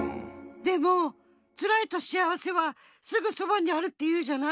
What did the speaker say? でも「つらい」と「幸せ」はすぐそばにあるっていうじゃない？